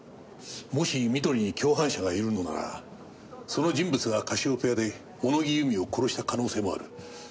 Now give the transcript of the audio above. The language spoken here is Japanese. もし美登里に共犯者がいるのならその人物がカシオペアで小野木由美を殺した可能性もある。